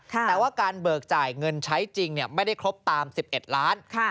แต่ว่าการเบิกจ่ายเงินใช้จริงไม่ได้ครบตาม๑๑ล้าน